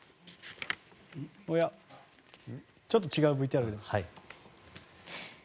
ちょっと違うＶＴＲが。